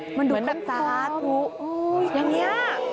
เหมือนเป็นฟังสาหราดอย่างนี้